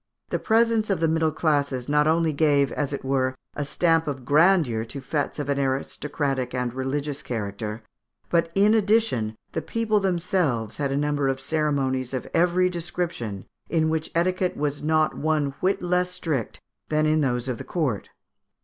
The presence of the middle classes not only gave, as it were, a stamp of grandeur to fêtes of an aristocratic and religions character, but, in addition, the people themselves had a number of ceremonies of every description, in which etiquette was not one whit less strict than in those of the court.